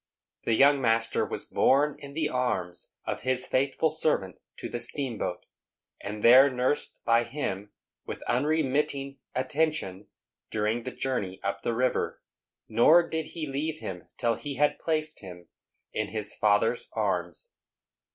The young master was borne in the arms of his faithful servant to the steamboat, and there nursed by him with unremitting attention during the journey up the river; nor did he leave him till he had placed him in his father's arms.